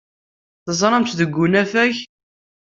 Teẓram-tt deg unafag.